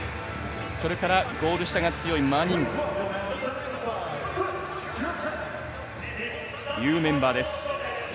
そしてゴール下が強いマニングというメンバーです。